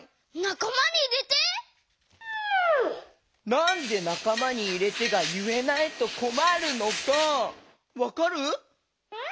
なんで「なかまにいれて」がいえないとこまるのかわかる？